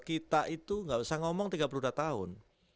kita itu nggak usah ngomong tiga puluh dua tahun